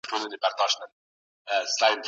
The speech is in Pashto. د دولتونو ترمنځ اړيکي نړيوال نظم جوړوي.